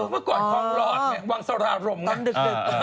เมื่อก่อนทองหลอดวังสารรมตอนดึก